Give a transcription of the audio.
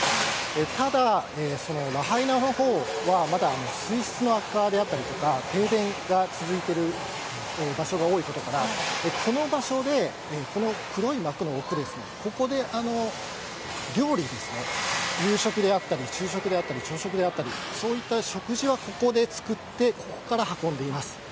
ただ、ラハイナのほうは、まだ水質の悪化であったりとか、停電が続いている場所が多いことから、この場所で、この黒い幕の奥ですね、ここで料理ですね、夕食であったり、昼食であったり、朝食であったり、そういった食事はここで作って、ここから運んでいます。